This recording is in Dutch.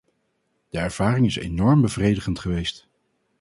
De ervaring is enorm bevredigend geweest.